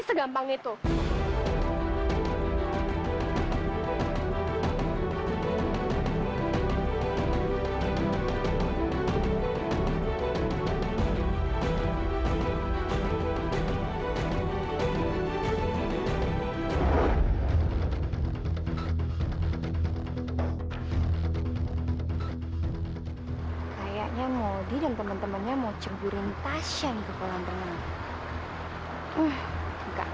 segampang itu kayaknya mau di dan teman temannya mau cemburan tasya ke kolam tenang